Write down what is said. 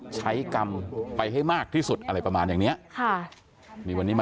จะทำแผนนะครับ